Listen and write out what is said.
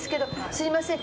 すいません